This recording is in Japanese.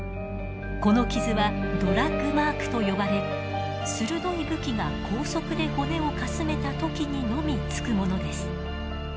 この傷はドラッグマークと呼ばれ鋭い武器が高速で骨をかすめた時にのみつくものです。